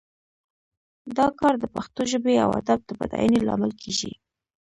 دا کار د پښتو ژبې او ادب د بډاینې لامل کیږي